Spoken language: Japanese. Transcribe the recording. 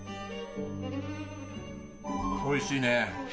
おいしいね。